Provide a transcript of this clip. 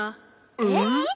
えっ？